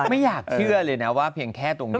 ไม่อยากเชื่อเลยนะว่าเพียงแค่ตรงนี้